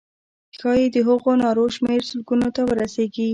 ښایي د هغو نارو شمېر سلګونو ته ورسیږي.